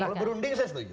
kalau berunding saya setuju